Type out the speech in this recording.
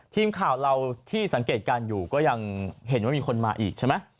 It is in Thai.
ทีมข่าวเราที่สังเกตการณ์อยู่ก็ยังเห็นว่ามีคนมาอีกใช่ไหม